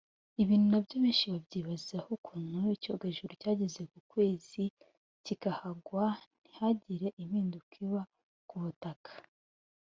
Ibi nabyo benshi babyibazaho ukuntu icyogajuru cyageze ku kwezi kikahagwa ntihagire impinduka iba ku butaka